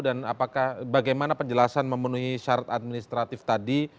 dan apakah bagaimana penjelasan memenuhi syarat administratif tadi